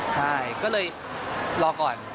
ใช่ก็เลยรอก่อน